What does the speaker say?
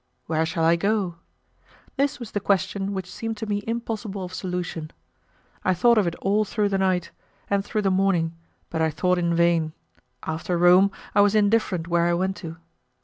"Where shall I go?" This was the question which seemed to me impossible of solution. I thought of it all through the night, and through the morning, but I thought in vain; after Rome, I was indifferent where I went to!